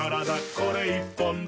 これ１本で」